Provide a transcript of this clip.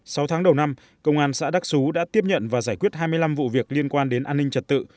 sau tháng đầu năm công an xã đắc xú đã tiếp nhận và giải quyết hai mươi năm vụ việc liên quan đến an ninh trật tự